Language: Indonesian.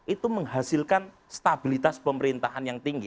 itu menghasilkan stabilitas pemerintahan yang tinggi